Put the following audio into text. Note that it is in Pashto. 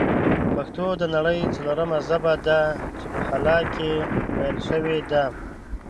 پښتو د نړۍ ځلورمه ژبه ده چې په خلا کښې ویل شوې ده